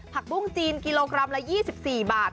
ปุ้งจีนกิโลกรัมละ๒๔บาท